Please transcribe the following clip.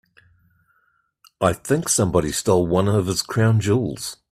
I think somebody stole one of his crown jewels.